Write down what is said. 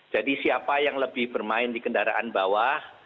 jadi siapa yang lebih bermain di kendaraan bawah